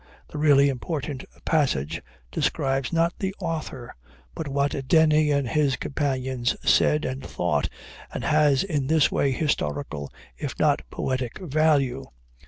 The really important passage describes not the author, but what Dennie and his companions said and thought, and has in this way historical if not poetic value.